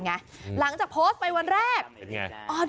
นี่คือเทคนิคการขาย